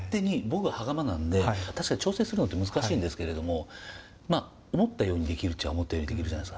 僕は羽釜なんで確かに調整するのって難しいんですけれどもまあ思ったようにできるっちゃ思ったようにできるじゃないですか。